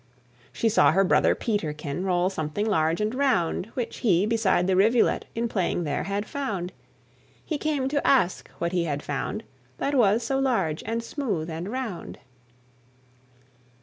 She saw her brother Peterkin Roll something large and round, Which he, beside the rivulet, In playing there, had found. He came to ask what he had found, That was so large, and smooth, and round.